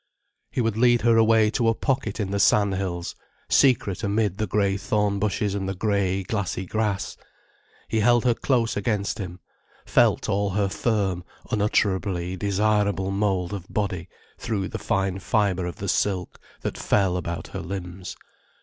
He would lead her away to a pocket in the sand hills, secret amid the grey thorn bushes and the grey, glassy grass. He held her close against him, felt all her firm, unutterably desirable mould of body through the fine fibre of the silk that fell about her limbs.